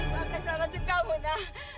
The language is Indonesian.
ya udah kita bisa